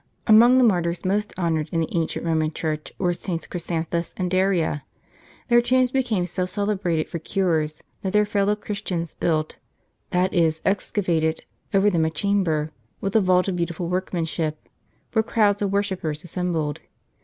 Among the martyrs most honored in the ancient Roman Church were Sts. Chrysanthus and Daria. Their tombs became so celebrated for cures, that their fellow Christians built (that is excavated) over them a chamber, with a vault of beautiful workmanship, where crowds of worshippers assembled.